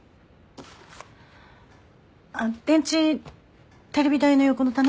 あっ電池テレビ台の横の棚。